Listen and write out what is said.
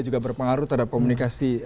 juga berpengaruh terhadap komunikasi